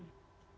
vietnam itu tidak